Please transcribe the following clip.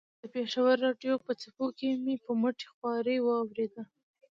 د پېښور راډیو په څپو کې مې په مټې خوارۍ واورېده.